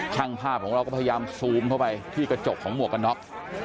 ช่างภาพของเราก็พยายามซูมเข้าไปที่กระจกของหมวกกันน็อก